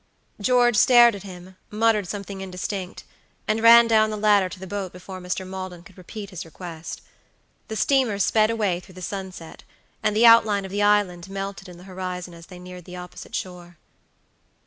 George stared at him, muttered something indistinct, and ran down the ladder to the boat before Mr. Maldon could repeat his request. The steamer sped away through the sunset, and the outline of the island melted in the horizon as they neared the opposite shore.